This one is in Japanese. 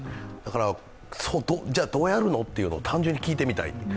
じゃどうやるの？というのを単純に聞いてみたい。